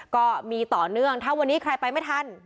ก็มีต่อเนื่องถ้าวันนี้ใครไปไม่ทัน